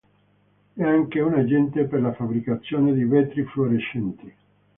È anche un agente per la fabbricazione di vetri fluorescenti.